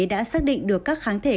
đã xác định được các kháng thể